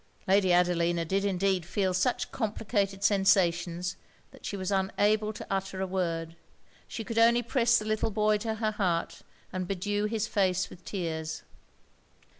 Lady Adelina did indeed feel such complicated sensations that she was unable to utter a word. She could only press the little boy to her heart and bedew his face with tears.